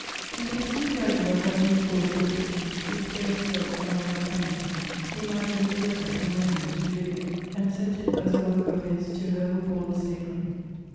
"He conceived the idea of having recourse to a fiction to declare his love to Madame Récamier; he imagined a letter from Romeo to Juliet, and sent it as a work of his to her who bore the same name."